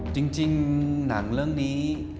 จริงหนังเรื่องนี้